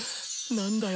何だよ！